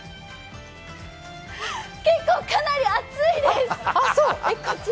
結構、かなり熱いです！